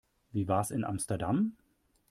Wie war's in Amsterdam?